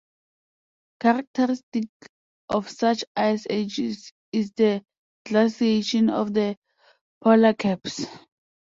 Characteristic of such ice ages is the glaciation of the polar caps.